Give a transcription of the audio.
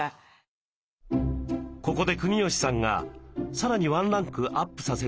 ここで国吉さんがさらにワンランクアップさせるコツをアドバイス。